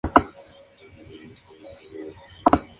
Viven algo más de trece años.